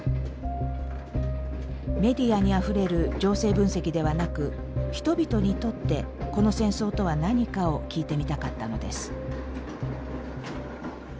メディアにあふれる情勢分析ではなく人々にとってこの戦争とは何かを聞いてみたかったのです。